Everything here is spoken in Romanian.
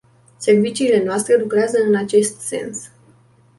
Serviciile noastre lucrează în acest sens.